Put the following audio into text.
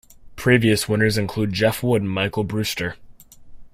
Previous winners include Geoff Wood and Michael Brewster.